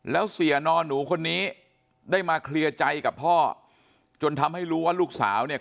แล้วเสียนอนหนูคนนี้ได้มาเคลียร์ใจกับพ่อจนทำให้รู้ว่าลูกสาวเนี่ย